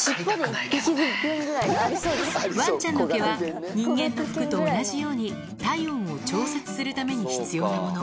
ワンちゃんの毛は人間の服と同じように体温を調節するために必要なもの